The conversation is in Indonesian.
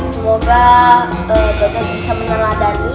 semoga dodot bisa meneladani